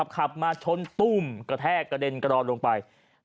ขับมาชนตุ้มกระแทกกระเด็นกระดอนลงไป